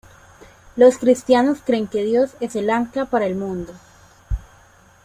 Los cristianos creen que Dios es el ancla para el mundo.